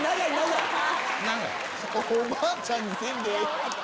おばあちゃんにせんでええ！